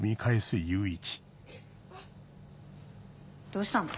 どうしたの？